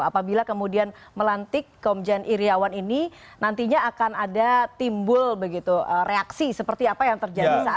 apabila kemudian melantik komjen iryawan ini nantinya akan ada timbul begitu reaksi seperti apa yang terjadi saat ini